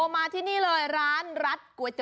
ส่วนเมนูที่ว่าคืออะไรติดตามในช่วงตลอดกิน